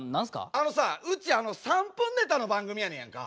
あのさうち３分ネタの番組やねんやんか。